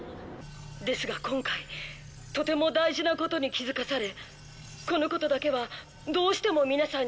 「ですが今回とても大事なことに気づかされこのことだけはどうしても皆さんにお伝えしたく」